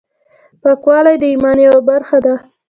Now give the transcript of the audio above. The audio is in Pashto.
پاکوالی د ایمان یوه برخه ده۔